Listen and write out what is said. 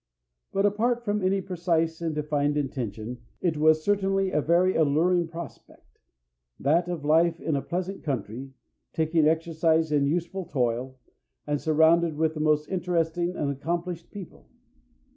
But apart from any precise and defined intention, it was certainly a very alluring prospect: that of life in a pleasant country, taking exercise in useful toil, and surrounded with the most interesting and accomplished people.